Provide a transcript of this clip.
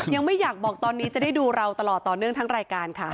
ยังไม่อยากบอกตอนนี้จะได้ดูเราตลอดต่อเนื่องทั้งรายการค่ะ